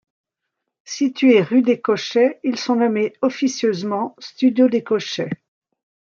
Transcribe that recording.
Situés rue des Cochets, ils sont nommés officieusement studios des Cochets.